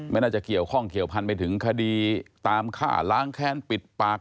น่าจะเกี่ยวข้องเกี่ยวพันไปถึงคดีตามฆ่าล้างแค้นปิดปาก